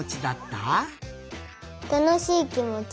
たのしいきもち